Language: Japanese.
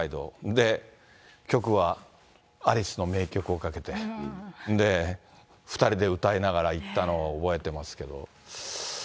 で、曲はアリスの名曲をかけて、２人で歌いながら行ったのを覚えてますけど。